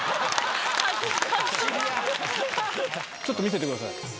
ちょっと見せてください。